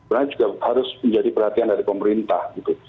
sebenarnya juga harus menjadi perhatian dari pemerintah gitu